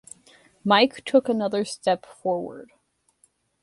Mike took another step forward.